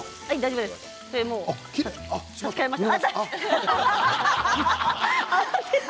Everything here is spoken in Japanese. もう差し替えました。